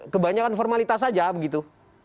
kebanyakan formalitas saja begitu